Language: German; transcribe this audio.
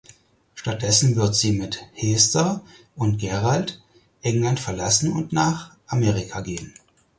Stattdessen wird sie mit Hester und Gerald England verlassen und nach Amerika gehen.